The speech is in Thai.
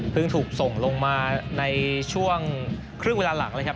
ถูกส่งลงมาในช่วงครึ่งเวลาหลังเลยครับ